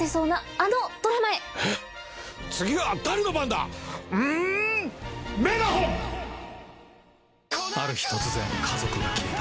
ある日突然家族が消えた。